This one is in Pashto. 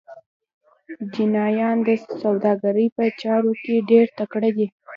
چینایان د سوداګرۍ په چارو کې ډېر تکړه دي.